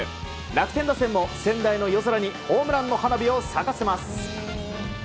楽天打線も仙台の夜空にホームランの花火を咲かせます。